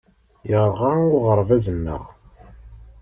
Yerɣa uɣerbaz-nneɣ.